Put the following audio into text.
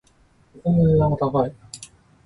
お米の値段が高い